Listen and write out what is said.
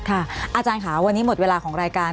อาจารย์ค่ะวันนี้หมดเวลาของรายการ